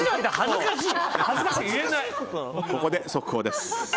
ここで速報です。